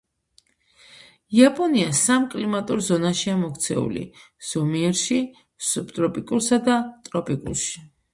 იაპონია სამ კლიმატურ ზონაშია მოქცეული: ზომიერში, სუბტროპიკულსა და ტროპიკულში.